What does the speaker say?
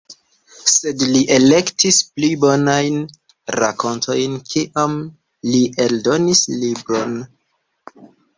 Sed li elektis pli bonajn rakontojn kiam li eldonis libron.